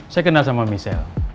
saya kenal sama misel